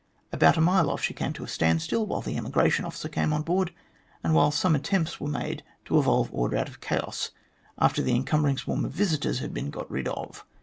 About a mile off she came to a standstill, while the emigration officer came onboard, and while some attempts were made to evolve order out of chaos, after the encumbering swarm of visitors had been got rid of.